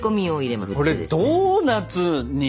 これドーナツに。